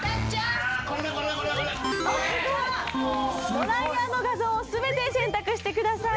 ドライヤーの画像を全て選択してください。